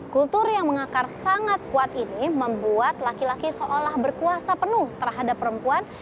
kultur yang mengakar sangat kuat ini membuat laki laki seolah berkuasa penuh terhadap perempuan